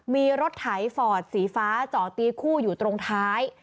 มีรถไถฟอร์ดสีฟ้าจอดตีคู่อยู่ตรงท้าย